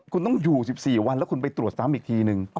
คุณต้องอยู่๑๔วันแล้วคุณไปตรวจซ้ำอีกทีนึง